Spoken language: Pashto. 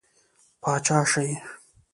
پاچا شي.